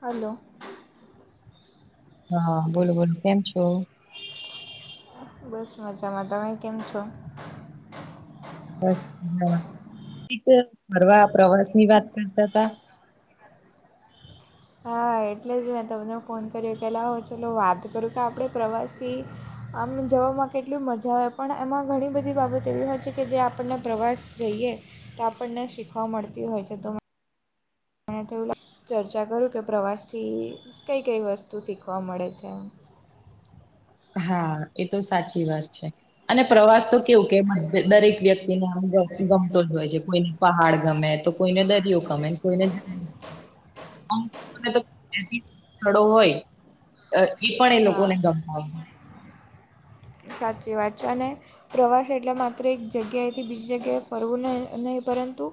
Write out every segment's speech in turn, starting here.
Hello. હા બોલો બોલો કેમ છો? બસ મજામાં. તમે કેમ છો? બસક ફરવા ઈ જો ફરવા પ્રવાસ ની વાત કરતા તા હા એટલે જ મેં તમને ફોન કર્યો પહેલા આવો ચલો વાત કરું કે આપડે પ્રવાસ થી આમને જવામાં કેટલી મજા આવે પણ એમાં ઘણી બધી બાબત એવી હોય છે કે જે આપણને પ્રવાસ જઈએ તો આપણને શીખવા મળતી હોય છે તો મને થયું લે ચર્ચા કરું કે પ્રવાસ થી કઈ કઈ વસ્તુ શીખવા મળે છે. હા એ તો સાચી વાત છે. અને પ્રવાસ તો કેવું કે એમાં દરેક વ્યક્તિને આમ ગમ ગમતો જ હોય છે કોઈને પહાડ ગમે તો કોઈને દરિયો ગમેને કોઈને જ [unintelligible] સ્થળો હોય અહ ઈ પણ એ હા લોકોને ગમતા હોય. સાચી વાત છે અને પ્રવાસ એટલે માત્ર એક જગ્યાએથી બીજી જગ્યાએ ફરવું નહીં નહીં પરંતુ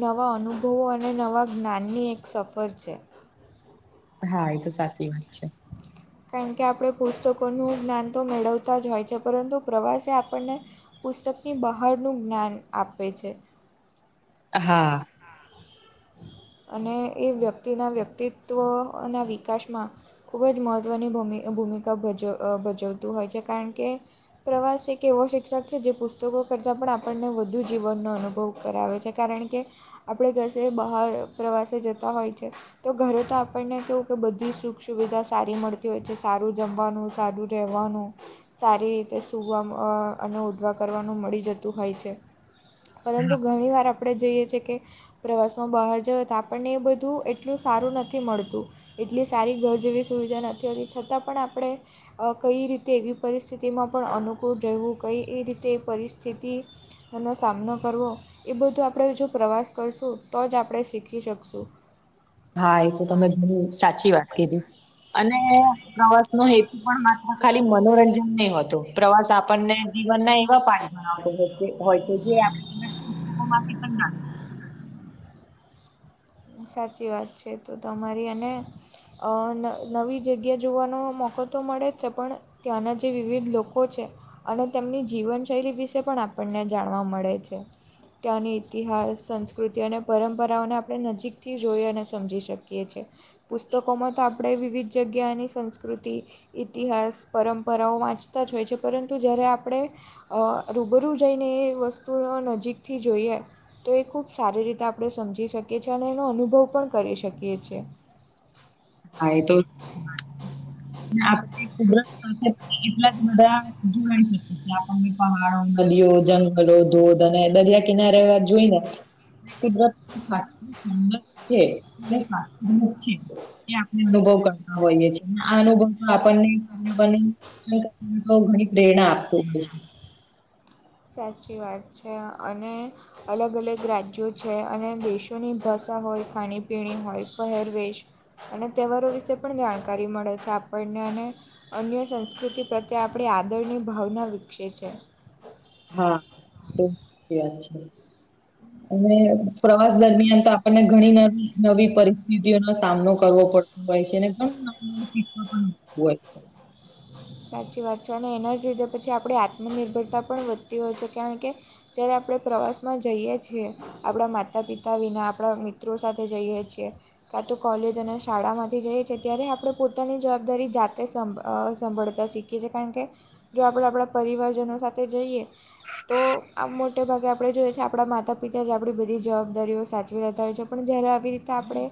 નવા અનુભવો અને નવા જ્ઞાનની એક સફર છે. હા એ તો સાચી વાત છે. કારણ કે આપડે પુસ્તકોનું જ્ઞાન તો મેળવતા જ હોય છે પરંતુ પ્રવાસે આપણને પુસ્તકની બહારનું જ્ઞાન આપે છે. હા. અને એ વ્યક્તિના વ્યક્તિત્વના વિકાસમાં ખૂબ જ મહત્વની ભૂમિ- અહ ભૂમિકા ભજ અહ ભજવતું હોય છે કારણ કે પ્રવાસ એક એવો શિક્ષક છે જે પુસ્તકો કરતાં પણ આપણને વધુ જીવનનો અનુભવ કરાવે છે. કારણ કે આપડે ઘસે બહાર પ્રવાસે જતા હોય છે તો ઘરે તો આપણને કેવું કે બધી સુખ સુવિધા સારી મળતી હોય છે સારું જમવાનું સારું રહેવાનું સારી રીતે સૂવા અ અને ઓઢવા કરવાનું મળી જતું હોય છે. પરંતુ ઘણી વાર આપણે જઈએ છે કે, પ્રવાસમાં બહાર જયો તો આપણને એ બધું એટલું સારું નથી મળતું. એટલી સારી ઘર જેવી સુવિધા નથી હોતી છતાં પણ આપણે અ કઈ રીતે એવી પરિસ્થિતિમાં પણ અનુકૂળ રહેવું કંઈ એ રીતે પરિસ્થિતિ તમનો સામનો કરવો એ બધું આપણે જો પ્રવાસ કરશું તો જ આપણે શીખી શકશું. હા એ તો તમે ઘણી સાચી વાત કીધી અને પ્રવાસ નો હેતુ પણ માત્ર ખાલી મનોરંજન નહી હોતો પ્રવાસ આપણને જીવન ના એવા પાઠ ભણવતો હો કે હોય છે જે આપ [unintelligible] સાચી વાત છે તો તમારી અને અ ન નવી જગ્યા જોવાનો મોકો તો મળે જ છે પણ ત્યાં ના જે વિવિધ લોકો છે. અને તેમની જીવનશૈલી વિશે પણ આપણને જાણવા મળે છે. ત્યાંની ઇતિહાસ સંસ્કૃતિ અને પરંપરાઓના એ નજીકથી જોઈ અને સમજી શકીએ છે. પુસ્તકોમાં તો આપણે વિવિધ જગ્યા એની સંસ્કૃતિ ઇતિહાસ પરંપરાઓ વાંચતા જ હોય છે. પરંતુ જ્યારે આપણે અ રૂબરૂ જઈને એ વસ્તુઓ નજીકથી જોઈએ. તે ખૂબ સારી રીતે આપણે સમજી શકયે છે અને એનો અનુભવ પણ કરી શકયે છે હા એ તો [unintelligible] ખબર એટલા જ બધા જોડાઇ શકયે છે આપણને પહાડો નદીઓ જંગલ હલો [unintelligible] તને દરિયા કિનારે એવા જોઈને કુદરત સાચું સુંદર છે તે સાચું [unintelligible] એ આપણે અનુભવ કરતા હોઈએ છીએ અને આ અનુભવ તો બ બ [unintelligible] ઘણી પ્રેરણા આપતું હોય છે. સાચી વાત છે અને, અલગ અલગ રાજ્યો છે અને દેશોની ભાષા હોય ખાણી પીણી હોય પહેરવેશ અને તહેવારો વિશે પણ જાણકારી મળે છે આપણને અને અન્ય સંસ્કૃતિ પ્રત્યે આપણી આદરની ભાવના વિકસેે છે હા એ [unintelligible] વાત છે અને પ્રવાસ દરમિયાન તો આપણને ઘણી ન નવી પરિસ્થિતિઓનો સામનો કરવો પડ પૈસાને પણ [unintelligible] સાચી વાત છે અને એના જ લીધે પછી આત્મનિર્ભરતા પણ વધતી હોય છે કારણ કે, જ્યારે આપણે પ્રવાસમાં જઈએ છીએ. આપણા માતા-પિતા વિના આપણા મિત્રો સાથે જઈએ છીએ. કાં તો કોલેજ અને શાળામાંથી જઈએ છીએ ત્યારે આપણે પોતાની જવાબદારી જાતે સંભ અ સંભળ બધા [unintelligible] શીખીએ છીએ કારણ કે જો આપણે આપણા પરિવારજનો સાથે જઈએ. તો આમ મોટે ભાગે આપણે જોઈએ છે આપણા માતા પિતા જ આપણી બધી જવાબદારીઓ સાચવી રહેતા હોય છે. પણ જ્યારે આવી રીતે આપણે,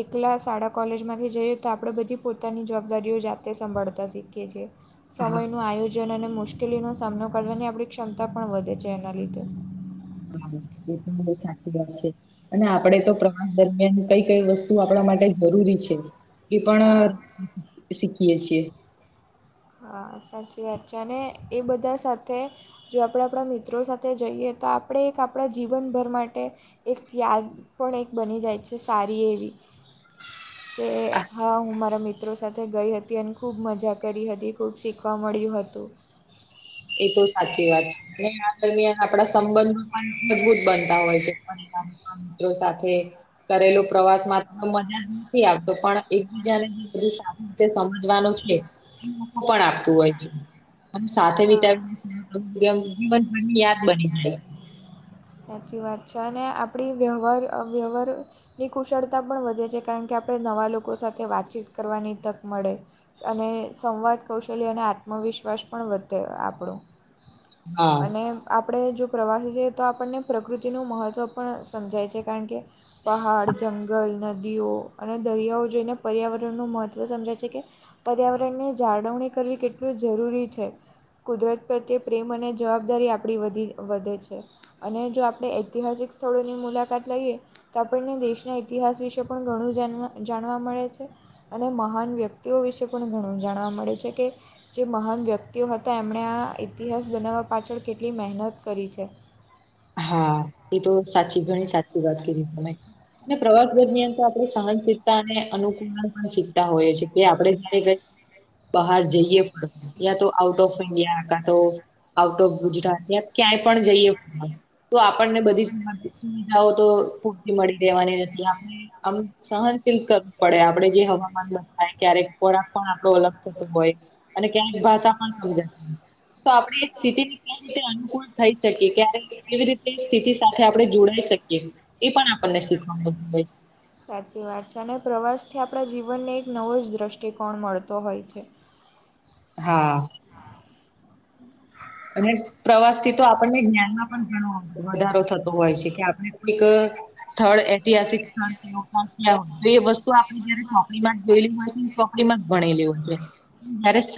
એકલા શાળા કોલેજ માંથી જઈયે તો આપણે બધી પોતાની જવાબદારીઓ જાતે સંભાળતા શીખીએ કે છે હા સમયનું આયોજન અને મુશ્કેલ મુશ્કેલીનો સામનો કરવાની આપણી ક્ષમતા પણ વધે છે એના લીધે એ પણ મને સાચી છે અને આપડે તો પ્રવાસ દરમિયાન કઈ કઈ વસ્તુ આપણા માટે જરૂરી છે. એ પણ હા શીખીએે છીએ. હા સાચી વાત છે અને એ બધા સાથે જો આપણા આપણા મિત્રો સાથે જઈએ તો આપણે એક આપણા જીવન ભર માટે એક યાદ પણ એક બની જાય છે સારી એવી. કે આ હા હું મારા મિત્રો સાથે ગઈ હતી અને ખૂબ મજા કરી હત તી ખૂબ શીખવા મળ્યું હતું. એ તો સાચી વાત છે. અને આ દરમિયાન આપણા સંબંધો પણ મજબૂત બનતા હોય છે પરિવારમાં. મિત્રો સાથે કરેલું પ્રવાસ માત્ર મજા જ નથી આવતો પણ એકબીજા ને જે બધી સામે તે સમજવાનું છે, એ પણ આપતું હોય છે. અને સાથ હા ત્યારે આમ જીવન ભરની યાદ બની જાય છે. સાચી વાત છે. અને આપણી વ્યવહાર અ વ્યવહાર ની કુશળતા પણ વધે છે. કારણ કે આપણે નવા લોકો સાથે વાતચીત કરવાની તક મળે. અને સંવાદ, કૌશલ્ય અને આત્મવિશ્વાસ પણ વધે આપણો. હા અને આપણે જો પ્રવાસી [inaudible] તો આપણને પ્રકૃતિનું મહત્ત્વ પણ સમજાય છે. કારણ કે પહાડ, જંગલ, નદીઓ. અને દરિયાઓ જોઈને પર્યાવરણનું મહત્ત્વ સમજાય છે કે પર્યાવરણને જાળવણી કરવી કેટલું જરૂરી છે. કુદરત પ્રત્યે પ્રેમ અને જવાબદારી આપણી વધી વધે છે. અને જો આપણે ઐતિહાસિક સ્થળોની મુલાકાત લઈએ તો આપણને દેશના ઇતિહાસ વિશે પણ ઘણું જાનવા જાણવા મળે છે. અને મહાન વ્યક્તિઓ વિશે પણ ઘણું જાણવા મળે છે કે જે મહાન વ્યક્તિઓ હતા એમણે આ ઇતિહાસ બનાવવા પાછળ કેટલી મહેનત કરી છે. હા એ તો સાચી ઘણી સાચી વાત કીધી તમે. અને પ્રવાસ દરમિયાન તો આપણે સહનશીલતા અને અનુકૂલન પણ શીખતા હોઈએ છીએ. કે આપણેે જયારે કઈ બાહાર જઈએ ત્યા તો આઉટ ઓફ ઇન્ડિયા કા તો આઉટ ઓફ ગુજરાત યા ક્યાંય પણ જઈએ ફરવા તો આપણને બધી સુવિધાઓ તો પૂરતી મળી રહેેવાની નથી. આપણે આમ સહનશીલ કરવું પડે આપડે જે હવામાનમાં ક્યારેક ખોરાક પણ આપણો અલગ થતો હોય. અને ક્યાંક ભાષા પણ સમજાતી હોય. તો આપડે એ સ્થિતિને કેવી રીતે અનુકૂળ થઈ શકીએ ક્યારેક એ કેવી રીતે સ્થિતિ સાથે આપણે જોડાઈ શકીએ. એ પણ આપણને શીખવા મળે છે. સાચી વાત છે. અને પ્રવાસથી આપણા જીવનને એક નવો જ દ્રષ્ટિકોણ મળતો હોય છે. હા હા અને પ્રવાસથી તો આપણને જ્ઞાનમાં પણ ઘણો વધારો થતો હોય છે કે આપણે કોઈક સ્થળ ઐતિહાસિક સ્થળ કે ક્યાં હોય તો એ વસ્તુ આપણે જયારે ચોકડીમાં જોયેલી હોય ને એમાં જ ભણેલી હોય છે. જયારે સ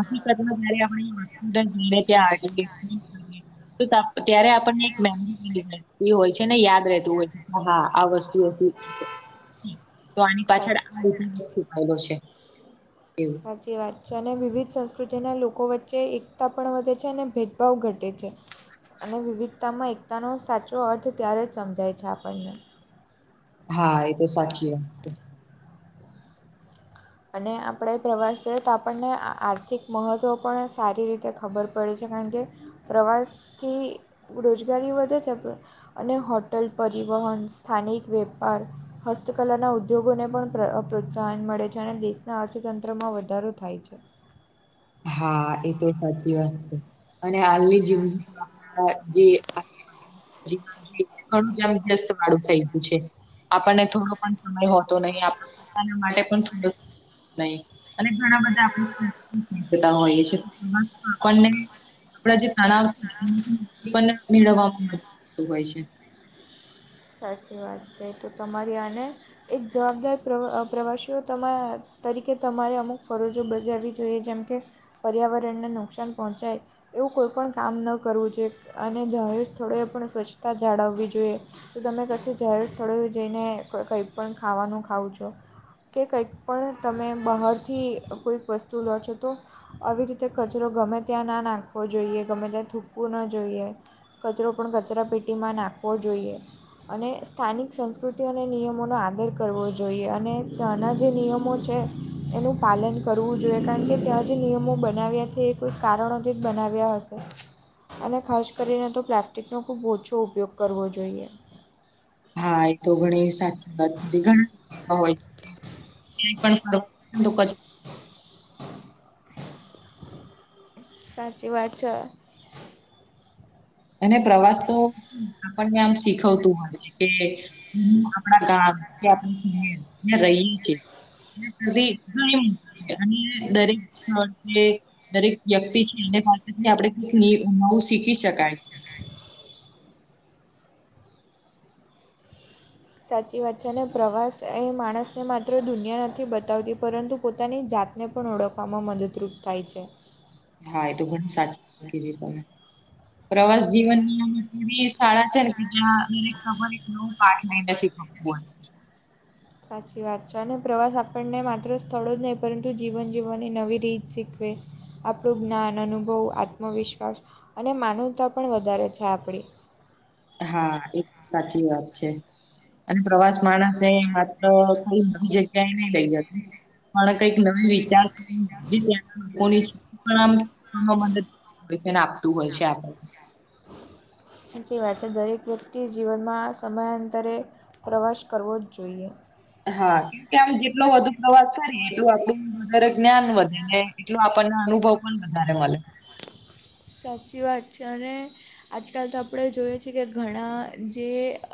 હકીકતમાં જયારે આપણે [inaudible] [inaudible] ત્યારે આપણને એક [inaudible] એ હોય છે ને યાદ રેતુ હોય છે હા આ વસ્તુ એ [inaudible] તો આની પાછળ આ સાચી ઇતિહાસ છુપાયલો છે એવું. સાચી વાત છે. અને વિવિધ સંસ્કૃતિના લોકો વચ્ચે એકતા પણ વધે છે અને ભેદભાવ ઘટે છે. અને વિવિધતામાં એકતાનો સાચો અર્થ ત્યારે જ સમજાય છે આપણને. હા એતો સાચી વાત છે. અને આપણે પ્રવાસે તો આપણને આર્થિક મહત્ત્વ પણ સારી રીતે ખબર પડે છે. કારણ કે પ્રવાસથી રોજગારી વધે છે પણ અને હોટલ પરિવહન સ્થાનિક વેપાર હસ્તકલાના ઉદ્યોગોને પણ પ્રોત્સાહન મળે છે અનેે દેશના અર્થતંત્રમાં વધારો થાય છે. હા એ તો સાચી વાત છે અને હાલની [unintelligible] જે [unintelligible] વાળું થઈ ગયું છે. આપણને થોડો પણ સમય હોતો નહી આપણા પોતાના માટે પણ થોડો નઈ અને ઘણા બધા આપણે [unintelligible] જતા હોઈએ છે [unintelligible] આપણને આપડા જે તળાવ [unintelligible] મેળવવા [unintelligible] હોય છે. સાચી વાત છે તો તમારી આને એક જવાબદાર પ્ર પ્રવાસીઓ તમે તરીકે તમારે અમુક ફરજો બજાવવી જોઈએ જેમ કે પર્યાવરણને નુકસાન પહોંચાય એવું કોઈપણ કામ ન કરવું જોઈએ અને જાહેર સ્થળોએ પણ સ્વચ્છતા જાળવવી જોઈએ. તો તમે કશે જાહેર સ્થળો જઈને કંઈ પણ ખાવાનું ખાવ છો, કે કંઈક પણ તમે બહારથી કોઈક વસ્તુ લો છો તો આવી રીતે કચરો ગમે ત્યાં ના નાખવો જોઈએ ગમે ત્યાં થૂકવું ન જોઈએ. કચરો પણ કચરાપેટીમાં નાખવો જોઈએ. અને સ્થાનિક સંસ્કૃતિ અને નિયમોનો આદર કરવો જોઈએ અને ત્યાંના જે નિયમો છે એનું પાલન કરવું જોઈએ કારણ કે ત્યાં જે નિયમો બનાવ્યા છે એ કોઈક કારણોથી જ બનાવ્યા હશે. અને ખાસ કરીને તો પ્લાસ્ટિકનો ખૂબ ઓછો ઉપયોગ કરવો જોઈએ. હા એ તો ઘણી સાચી વાતી કીધી ઘણા [unintelligible] હોય ક્યાંય પણ [unintelligible] સાચી વાત છે. અને પ્રવાસ તો આપણને આમ શીખવતું હોય છે કે, હું આપણા ગામ કે આપણા શહેર જ્યાં રહીએ છીએ [unintelligible] દરેક સ્થળ કે દરેક વ્યક્તિ છે એને પાસેથી આપડે કઈક નવું શીખી શકાય. સાચી વાત છે અને પ્રવાસ એ માણસને માત્ર દુનિયા નથી બતાવતી પરંતુ પોતાની જાત ને પણ ઓળખવામાં મદદરૂપ થાય છે. હા એ તો ઘણી સાચી [unintelligible] કીધી તમે. પ્રવાસ જીવનની [inaudible] શાળા છે ને [inaudible] સાચી વાત છે અને પ્રવાસ આપણને માત્ર સ્થળો જ નહીં પરંતુ જીવન જીવવાની નવી રીત શીખવે. આપણું જ્ઞાન, અનુભવ, આત્મવિશ્વાસ અને માનવતા પણ વધારે છે આપડી. હા એ તો સાચી વાત છે. અને પ્રવાસ માણસને માત્ર કઈ નવી જગ્યાએ નઈ લઈ જતી પણ કંઈક નવી વિચાર [unintelligible] [unintelligible] આપતું હોય છે આપણું સાચી વાત છે દરેક વ્યક્તિ જીવનમાં સમયાંતરે પ્રવાસ કરવો જ જોઈએ. હા. કે આમ જેટલો વધુ પ્રવાસ કરી એટલું વધારે જ્ઞાન વધે ને એટલું આપણને અનુભવ પણ વધારે મલે. સાચી વાત છે અને આજકાલ તો આપડે જોઈએ છીએ કે ઘણા જે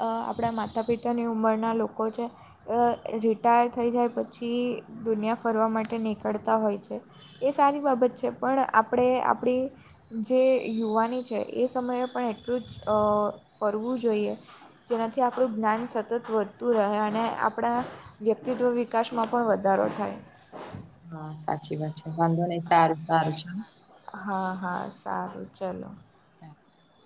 આપડા માતા-પિતાની ઉંમરના લો કો છે રિટાયર થઈ જાય પછી દુનિયા ફરવા માટે નીકળતા હોય છે. એ સારી બાબત છે પણ આપણે આપણી જે યુવાની છે એ સમયે પણ એટલું જ અ ફરવું જોઈએ. જેનાથી આપણું જ્ઞાન સતત વધતું રહે અને આપણા વ્યક્તિત્વ વિકાસમાં પણ વધારો થાય. હા સાચી વાત છે, વાંધો નહી સારું સારું છે. હા હા, સારું ચલો. [unintelligible]